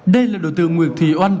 đây là đối tượng nguyễn thị oanh